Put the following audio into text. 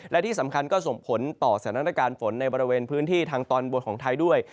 และที่สำคัญก็ส่งผลต่อสถานการณ์ฝนในบริเวณพื้นที่ทางตอนบนของไทยด้วย